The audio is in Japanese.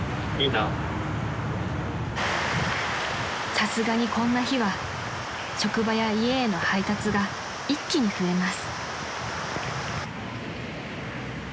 ［さすがにこんな日は職場や家への配達が一気に増えます］